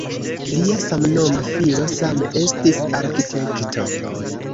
Lia samnoma filo same estis arkitekto.